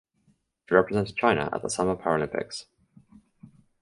She represented China at the Summer Paralympics.